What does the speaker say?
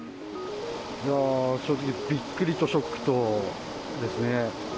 いやー、正直、びっくりとショックとですね。